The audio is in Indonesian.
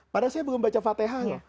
padahal saya belum baca fathah